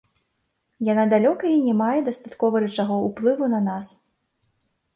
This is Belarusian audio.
Яна далёка і не мае дастаткова рычагоў уплыву на нас.